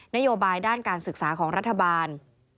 นโยบายด้านการศึกษาของรัฐบาล